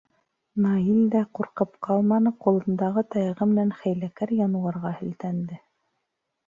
Наил дә ҡурҡып ҡалманы, ҡулындағы таяғы менән хәйләкәр януарға һелтәнде.